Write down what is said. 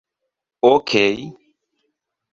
okej